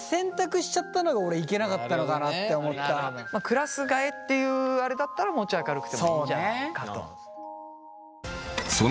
クラス替えっていうあれだったらもうちょい明るくてもいいんじゃないかと。